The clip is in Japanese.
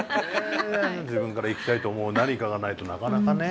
自分から行きたいと思う何かがないとなかなかね。